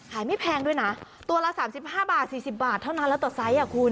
ไม่แพงด้วยนะตัวละ๓๕บาท๔๐บาทเท่านั้นแล้วต่อไซส์อ่ะคุณ